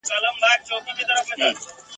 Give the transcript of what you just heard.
بېګانه سي له وطنه له خپلوانو !.